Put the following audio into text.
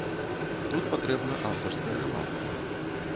Тут патрэбна аўтарская рэмарка.